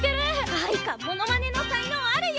藍花モノマネの才能あるよ！